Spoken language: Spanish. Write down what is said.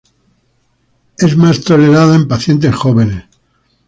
Es más tolerada en pacientes jóvenes.